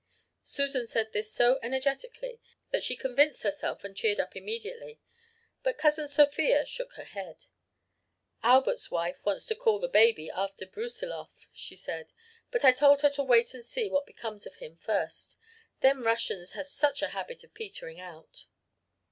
"Susan said this so energetically that she convinced herself and cheered up immediately. But Cousin Sophia shook her head. "'Albert's wife wants to call the baby after Brusiloff,' she said, 'but I told her to wait and see what becomes of him first. Them Russians has such a habit of petering out.'